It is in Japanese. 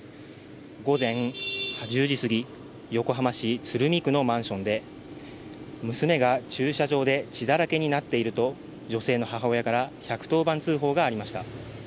午前１０時すぎ、横浜市鶴見区のマンションで娘が駐車場で血だらけになっていると女性の母親から１１０番通報がありました。